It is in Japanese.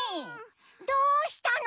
どうしたの？